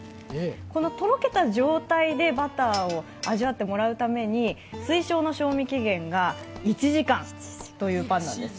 このとろけた状態でバターを味わってもらうために推奨の賞味期限が１時間というパンなんです。